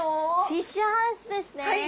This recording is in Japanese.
フィッシュハウスですね。